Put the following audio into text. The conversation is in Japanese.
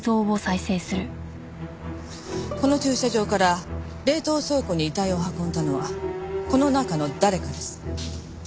この駐車場から冷凍倉庫に遺体を運んだのはこの中の誰かです。